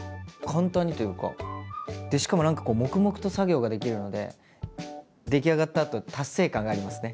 でしかも何か黙々と作業ができるので出来上がったあと達成感がありますね。